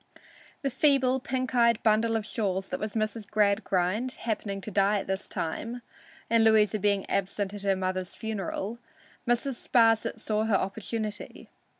The feeble, pink eyed bundle of shawls that was Mrs. Gradgrind, happening to die at this time, and Louisa being absent at her mother's funeral, Mrs. Sparsit saw her opportunity.